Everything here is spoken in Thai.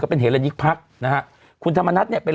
ก็เป็นเหรียญละยิกภักดิ์นะฮะคุณธรรมนัทเนี้ยเป็น